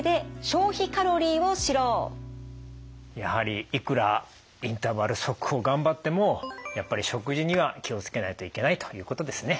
やはりいくらインターバル速歩を頑張ってもやっぱり食事には気を付けないといけないということですね？